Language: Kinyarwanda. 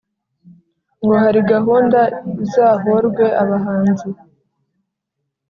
Ngo hari gahunda Izahorwe abahanzi